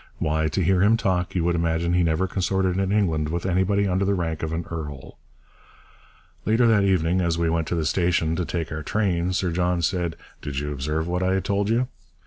Why, to hear him talk, you would imagine he never consorted in England with anybody under the rank of an earl.' Later that evening, as we went to the station to take our train, Sir John said, 'Did you observe what I told you?